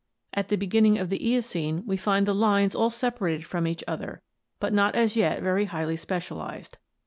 At the beginning of the Eocene we find the lines all separated from each other but not as yet very highly specialized.